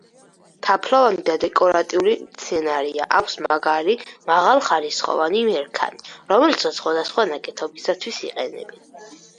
თაფლოვანი და დეკორატიული მცენარეა, აქვს მაგარი მაღალხარისხოვანი მერქანი, რომელსაც სხვადასხვა ნაკეთობისათვის იყენებენ.